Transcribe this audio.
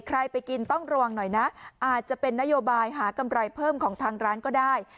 ไปกินต้องระวังหน่อยนะอาจจะเป็นนโยบายหากำไรเพิ่มของทางร้านก็ได้